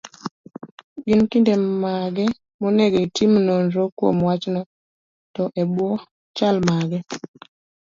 Gin kinde mage monego itimie nonro kuom wachno, to e bwo chal mage?